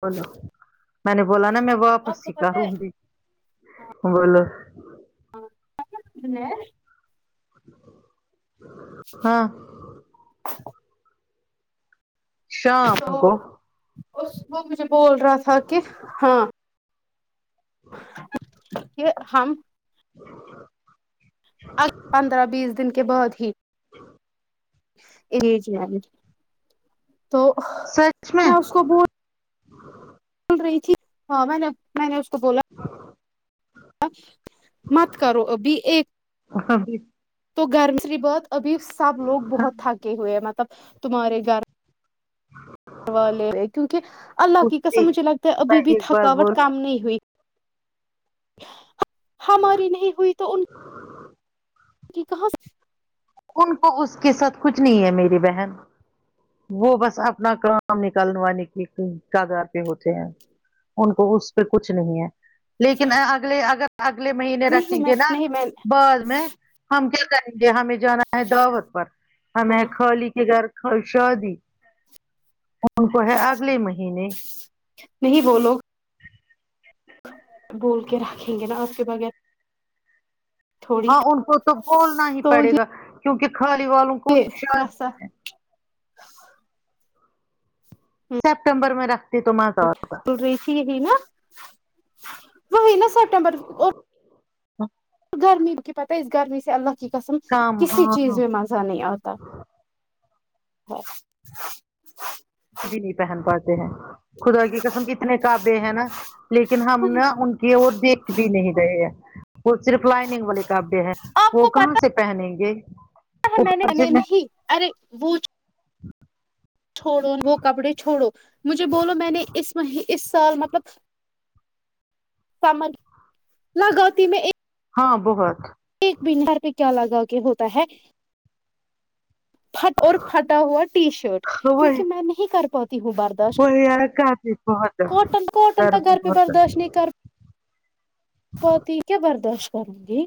بولو میں نے بولا نا میں واپس آپ کو ہی پتہ کروں گی بولو ہاں بچے اٹھ گئے [unintelligible] ہاں تو شام کو اس وہ مجھے بول رہا تھا کہ ہاں کہ ہم اچ پندرہ بیس دن کے بعد ہی [unintelligible] تو میں اس کو بول بول رہی تھی ہاں میں نے میں نے اس کو بولا ا مت کرو ابھی ایک آہا ہی تو گرمی سے بات ابھی سب لوگ بہت تھکے ہوئے مطلب تمہارے گھر دوا لے رہے کیونکہ اللہ کی پوچھتی قسم مجھے لگتا ہے میں ابی بھی ایک بات تھکاوٹ بولوں کم نہیں ہوئی ہماری نہیں ہوئی تو ان کی کہاں سے ان کو اس کے ساتھ کچھ نہیں ہے میری بہن وہ بس اپنا کام نکل وانے کی کاگار پہ ہوتے ہیں ان کو اس پہ کچھ نہیں ہے لیکن ا اگلے اگر اگلے مہینے رکھیں نہیں میں گے نا نہیں میں بعد میں ہم کیا کریں گے ہمیں جانا ہے دعوت پر ہمیں ہاں خالی کے گھر کب شادی وہ تو ہے اگلے مہینے نہیں وہ لوگ بول کے رکھیں گے نا اسکے بغیر تھوڑی ہاں ان کو تو بولنا ہی تو پڑے گا کیونکہ خالی والوں کو یہ شاید رسم سپٹمبر میں رکھ ڈیٹ یہی نا وہی نا سٹمبر کو ہاں گرمی کی پتہ ہے اس گرمی سے اللہ کی قسم کام کسی ہاں چیز میں مزہ نہیں آتا ہے کپڑے بھی نہیں پہن پاتے ہیں خدا کی قسم اتنے کپڑے ہیں نا لیکن ہم نا ان کی اور دیکھ بھی نہیں رہے ہیں وہ صرف لائننگ والے کپڑےہیں آپ وہ کو کہاں پتا سے پہنیں گے ہے میں اوپر سے نے نہیں ارے وہ جو چھوڑو وہ کپڑے چھوڑو مجھے بولو میں نے اس مہیں اس سال مطلب سمر لگاتی میں ایک ہاں بہت ایک بینار پہ کیا لگا کے ہوتا ہے پھٹ اور پھٹا ہوا ٹی شرٹ وہی کیونکہ میں نہیں کر پاتی ہوں برداشت [unintelligible] بہت کوٹن کوٹن تو گرمی گھر پہ بہت برداش نہیں کر پاتی کیا برداشت کروں گی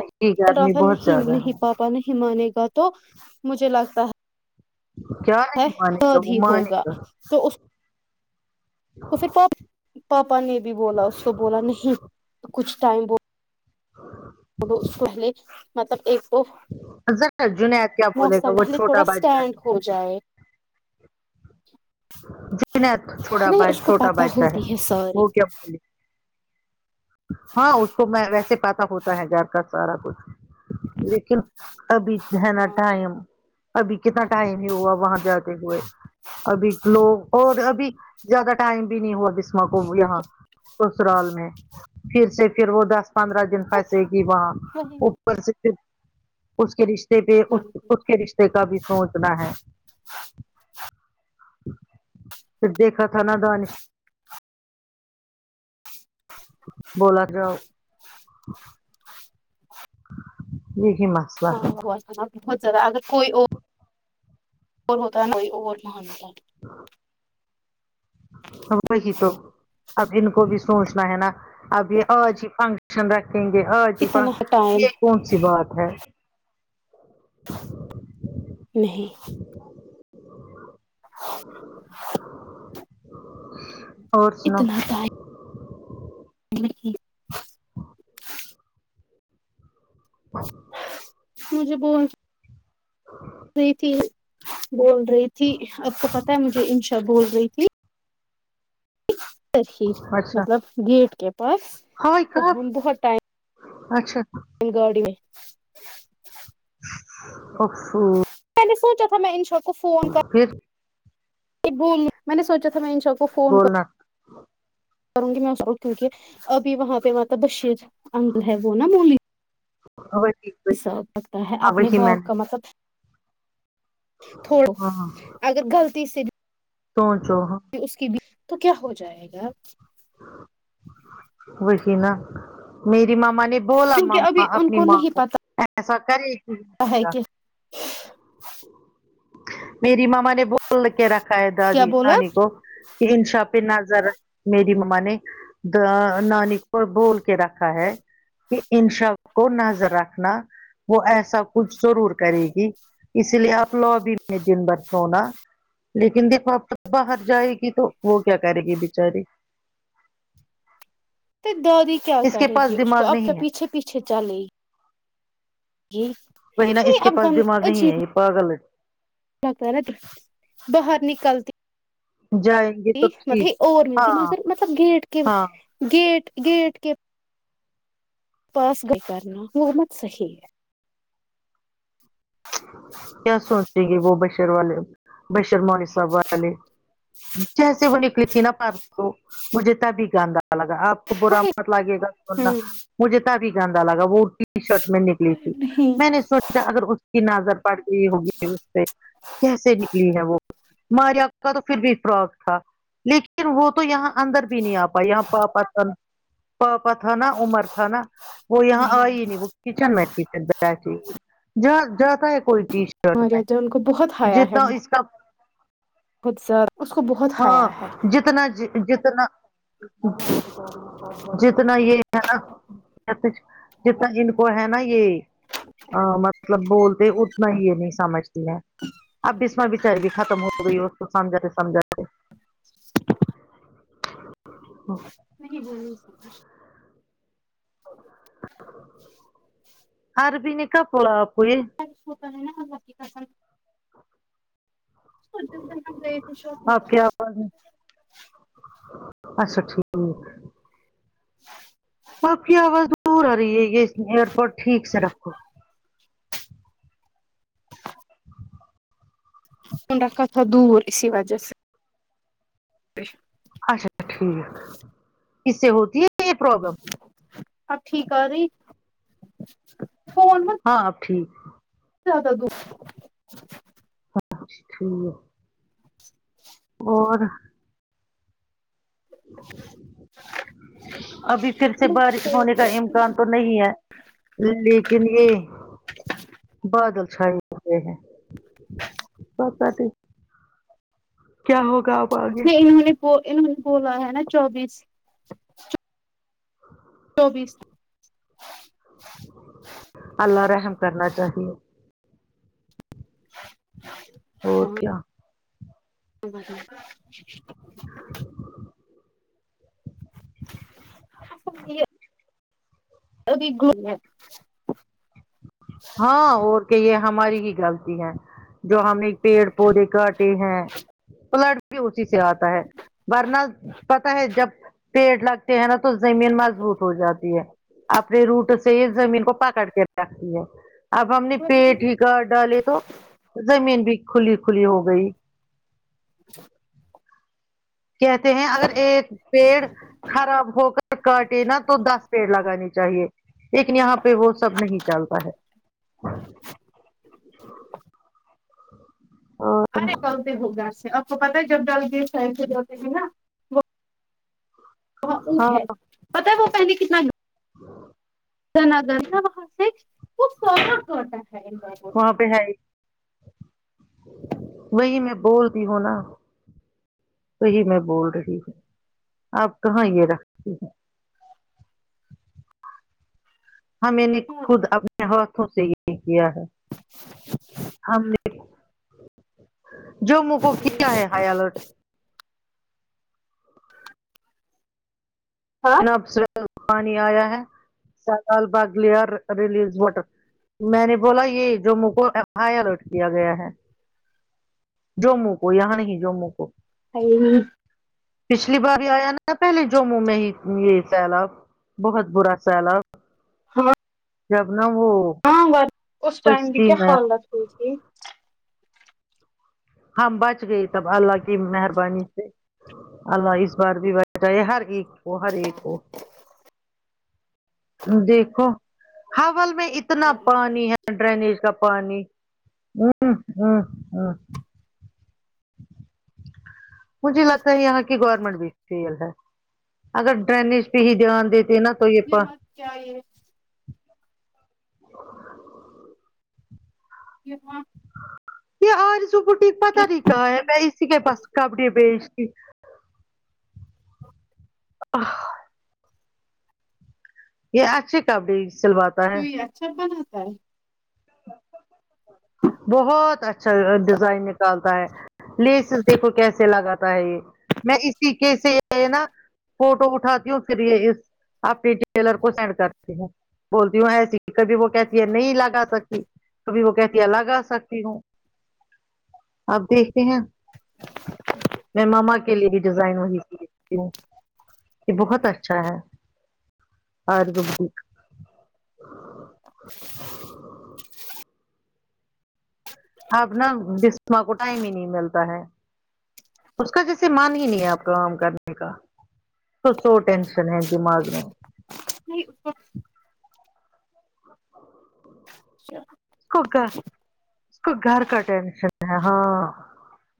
اتی بول رہا گرمی تھا بہت نہیں زیادہ ہے نہیں پاپا نہیں ہی مانے گا تو مجھے لگتا ہے کیا ہے نہیں مانے ہو گا وہ ٹھیک مانے ہوگا گا تو اس تو پھر پ پاپا نے بھی بولا اس کو بولا نہیں کچھ ٹائم بو تو دو اس کو بھیج مطلب ایک تو ذرا جنید کیا بولے گا موسم وہ بھی تھوڑا چھوٹا ا بادشاہ سٹینڈ ہے ہو جائے جن چھوٹا نہیں بائ اس کو چھوٹا پتہ بچہ ہے ہوتی ساری وہ کیا بولے ہاں اس کو میں ویسے پاتا ہوتا ہے گھر کا سارا کچھ لیکن ابھی ہے نا ٹائم ابھی کتنا ہوا وہاں جاتے ہوئے ابھی لوگ اور ابھی زیادہ ٹائم بھی نہیں ہوا بسمہ کو یہاں سسرال میں پھر سے پھر وہ دس پندرہ دن پھنسے گی وہاں ہاں بن سکتے بس اس کے رشتے پہ اس کا رشتے کا بھی سوچنا ہے پھر دیکھا تھا نا دانش [inaudible] بولا جاو دیکھی میں ہاں ہوا تھا نہ بہت زیادہ اگر کوئی اور اور ہوتا ہے نہ [inaudible] وہی تو اب ان کو بھی سوچنا ہے نا اب یہ آج ہی فنکشن رکھ رکھیں گے اتنا [unintelligible] ٹائم یہ کون سی بات ہے نہیں [inaudible] اور سناؤ اتنا ٹائم [unintelligible] مجھے بول رہی تھی بول رہی تھی آپ کو پتہ ہے مجھے انشا بول رہی تھی کل ہی مطلب گیٹ کے پاس ہاں تو اقرا ہم بہت ٹائم اچھا گاڑی میں اففو میں نے سوچا تھا میں انشا کو فون پھر کے بول میں نے سوچا تھا میں انشا کو فون کر بولنا کروں گی میں کیونکہ ابھی وہاں پہ مطلب بشیر انگل ہے وہ نا مولی ہاں جی حساب رکھتا ہے اپنے باپ کا مطلب تھوڑو اگر غلطی سے تو جو ہم اس کے بیچ تو کیا ہو جائے گا وہی نا میری مما نے بولا کیونکہ مما ابھی ان اپنی ماں نہیں کو پتا ایسا کرے گی ہے کیا کہ میری مما نے بول کے رکھ ا ہے کیا دادی بولا نانی کو کہ انشا پہ نظر رکھ میری م ما نے دا نانی کو بول کے رکھا ہے انشا کو نظر رکھنا وہ ایسا کچھ ضرور کرے گی اس لیے آپ لوگو بھی میں دن بھر سونا لیکن دیکھو آپ تو باہر جائے گی تو وہ کیا کرے گی بچاری تو دادی کیا اس کے کرے گی پاس اس کو دماغ اب کا نہیں ہے پیچھے پیچھے چلی جی وہی نا اس کے پاس دماغ نہیں ہے یہ پاگل ہے لگتا نا [unintelligible] باہر نکلتے جائیں گے تو ایک ٹھیک مطلب اور ملتی ہاں مگر مطلب گیٹ کے ہاں گیٹ گیٹ کے پاس گئی کرنا وہ مت صحیح ہے کیا سوچے گی وہ بشر والے بشر مولی صاحب والے جیسے وہ نکلی تھی نا پر تو مجھے تبھی گندا لگا آپ کو وہ برا مت لگے گا سننا مجھے تبھی گندا لگا وہ ٹیشرٹ میں نکلی تھی نہیں میں نے سوچا اگر اس کی نظر پڑ گئی ہوگی اس پہ کیسے نکلی ہے وہ ماریا کا تو پھر بھی فراک تھا لیکن وہ تو یہاں اندر بھی نہیں آ پائی یہاں پاپا تھا نا پاپا تھا نا عمر تھا نا وہ یہاں آئی ہی ہمارے نہیں وہ کچن میں تھی [unintelligible] جا جاتا ہے کوئی ٹی شرٹ میں یہاں ان کو بہت جتنا اس کا خود سا اس کو بہت ہاں جتنا جی جتنا جتنا یہ ہے نا جتنا ان کو ہے نا یہ ا مطلب بولتے اتنا ہی یہ نہیں سمجتے لیا اب بیسم بچاری بھی ختم ہو گئی اس کو سمجھاتے سمجھاتے [inaudible] نہیں بولنی عربی نکاح بولا آپ کو یہ سچ ہوتا ہے نہ اللہ کی قسم [unintelligible] گئے تھے شوپنگ آپ کی کرنے آواز اچھا ٹھیک ؤ ہو آپ کی آواز دور آ رہی ہے یہ ائرپوڈ ٹھیک سے رکھو فون رکھا تھا دور اسی وجہ سے بےشک اچھا ٹھیک اس سے ہوتی ہے یہ پرابلم اب ٹھیک آری فون مت ہاں اب ٹھیک ذیادہ دور [unintelligible] اور ابھی پھر سے نہیں بارش ہونے کا ام کان تو نہیں ہے لیکن یہ بادل چھائے ہوئے ہیں پتا نہی کیا ہوگا اب پھر انہوں نے بو انہوں نے بولا ہے نا چوبیس [inaudible] چوبیس اللہ رحم کرنا چاہیے [inaudible] اور کیا [inaudible] ابھی یہ ابھی گئی ہیں ہاں اور کیا یہ ہماری ہی غلطی ہے جو ہم نے پیڑ پودے کا ٹے ہیں فلڈ بھی اسی سے آتا ہے ورنہ پتا ہے جب پیڑ لگتے ہیں نا تو زمین مضبوط ہو جاتی ہے اپنے روٹ سے یہ زمین کو پکڑ کے رکھتی ہے اب ہم نے پیڑ ہی کاٹ ڈالے تو زمین بھی کھلی کھلی ہو گئی [inaudible] کہتے ہیں اگر ایک پیڑ خراب ہو کر کاٹے نا تو دس پیڑ لگانی چاہیے لیکن یہاں پہ وہ سب نہیں چلتا ہے اور ارے نکلتے ہو گھر سے آپ کو پتا ہے جب ڈل گیٹ سے ایسے جاتے ہیں نا وہاں اف ہاں ہے پتہ ہے وہ پنیک کتنا ہے [inaudible] [unintelligible] وہاں سے وہ فونا کرتا ہے ان لوگوں وہاں پہ ہے وہی میں بولتی ہوں نا وہی میں بول رہی ہوں آپ کہاں یہ رکھتی ہیں ہاں میں نے خود اپنے ہاتھوں سے یہ کیا ہے ہم نے جموں کو کیا ہے ہائی الرٹ ہاں [unintelligible] پانی آیا ہے س باغلیئر ریلیز واٹر میں نے بولا یہ جموں کو ای ہائی الرٹ کیا ہے جموں کو یہاں نہیں جموں کو ا [inaudible] پچھلی باری آیا نا پہلے جموں میں ہی یہ سیلاب بہت برا سیلاب ہاں جب نا وہ ہاں پر اس ٹائم ہی کشتی کیا میں حالت ہوئی تھی ہم بچ گئی تب اللہ کی مہربانی سے اللہ اس بار بھی بچاے ہر ایک کو ہر ایک کو دیکھو حول میں اتنا پانی ہے ڈرینیج کا پانی ون ون ون مجھے لگتا ہے یہاں کی گورنمنٹ بھی فیل ہے اگر ڈرینیج پہ ہی دھیان دیتے نا تو یہ پا مت چاہیے یہاں یہ آرزو بوٹیک پتہ نہیں کہا ہے میں اسی کے پاس کبڈی بیھچتی اه یہ اچھی کپڑی سلوا تو یہ اچھا بناتا ہے بہت اچھا ڈیزائن نکال ٹا ہے لیسیس دیکھو کیسے لگاتا ہے یہ میں اس طریقے سے نا فوٹو اٹھاتی ہوں پھر یہ اس اپنے ٹیلر کو سینڈ کرتی ہوں بولتی ہوں ایسی کبھی وہ کہتی ہے نہیں لگا سکتی کبھی وہ کہ تی لگا سکتی ہو اب دیکھتے ہیں میں مما کے لیے بھی ڈیزائن وہیں سے دیکھتی ہوں یہ بہت اچھا ہے اورب ٹھیک اب نا بسمہ کو ٹائم ہی نہیں ملتا ہے اس کا کیسے مان ہی لیا فرام کرنے کا کچ سو ٹینشن ہے دماغ میں نہیں اوپر اچھا اس کو گھر اس کو گھر کا ٹینشن ہے ہاں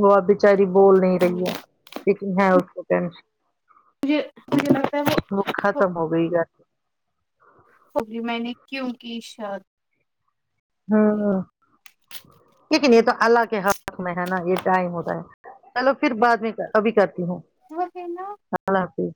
وہ آپ بیچاری بول نہیں رہی ہے لیکن ہے اس کو ٹینشن یہ مجھے لگتا ہے وہ ختم ہو گئی ہے اب بھی میں نے کیوں کی شاد ہاں لیکن یہ تو اللہ کے حق میں ہے نا یہ ٹائم ہوتا ہے چلو پھر بعد میں ابھی کرتی ہوں ہو گئے نا اللہ حافظ